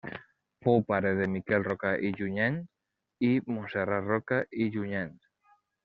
Fou pare de Miquel Roca i Junyent i Montserrat Roca i Junyent.